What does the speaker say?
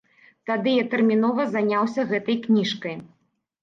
Тады я тэрмінова заняўся гэтай кніжкай.